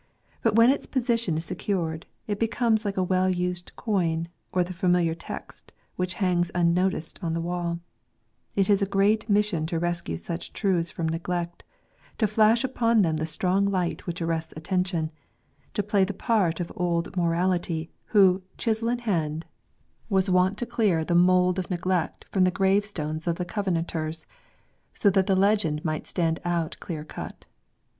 But when its position is secured, it becomes like a well used coin, or the familiar text which hangs unnoticed on the wall It is a great mission to rescue such truths from neglect ; to flash upon them the strong light which arrests attention ; to play the part of Old Mortality, who, chisel in hand, was wont to IO (Karlu Qaijs. clear the mould of neglect from the gravestones of the Covenanters, so that the legend might stand out clear cut.